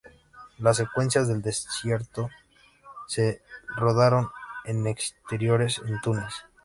Las secuencias del desierto se rodaron en exteriores en Túnez.